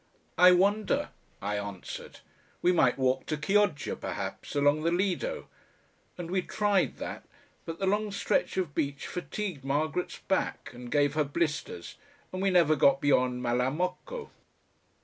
"I wonder," I answered. "We might walk to Chioggia perhaps, along the Lido." And we tried that, but the long stretch of beach fatigued Margaret's back, and gave her blisters, and we never got beyond Malamocco....